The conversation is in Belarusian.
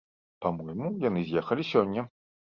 Па-мойму, яны з'ехалі сёння.